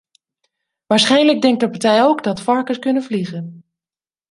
Waarschijnlijk denkt de partij ook dat varkens kunnen vliegen.